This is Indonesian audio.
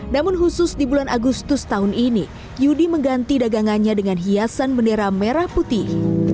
namun khusus di bulan agustus tahun ini yudi mengganti dagangannya dengan hiasan bendera merah putih